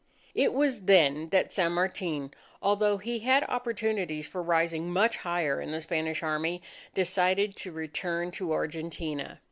It was then that San Martin, although he had opportunities for rising much higher in the Spanish Army, decided to return to Argentina.